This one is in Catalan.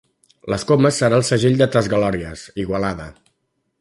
Les Comes serà el segell de tes glòries, Igualada!